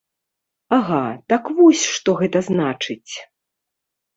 Ага, так вось што гэта значыць.